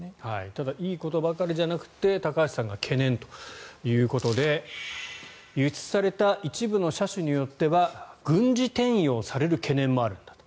ただいいことばかりじゃなくて高橋さんが懸念ということで輸出された一部の車種によっては軍事転用される懸念もあるんだと。